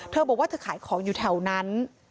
เธอบอกว่าเธอขายของอยู่แถวนั้น